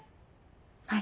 はい。